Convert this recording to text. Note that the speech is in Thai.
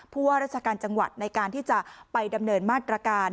ผู้ว่าราชการจังหวัดในการที่จะไปดำเนินมาตรการ